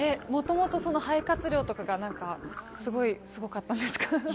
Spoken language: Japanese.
もともと肺活量とかすごかったんですか？